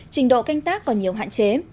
trình độ canh tác còn nhiều hạn chế